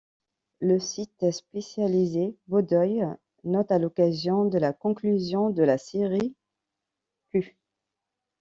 Le site spécialisé BoDoï note à l'occasion de la conclusion de la série qu'.